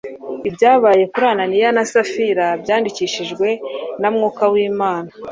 Ibyabaye kuri Ananiya na Safira byandikishijwe na Mwuka w’Imana,